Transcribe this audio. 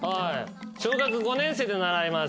小学５年生で習います。